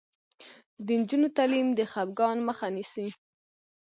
د نجونو تعلیم د خپګان مخه نیسي.